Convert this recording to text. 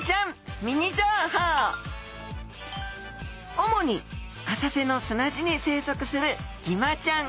主に浅瀬の砂地に生息するギマちゃん。